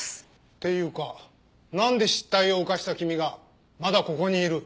っていうかなんで失態を犯した君がまだここにいる？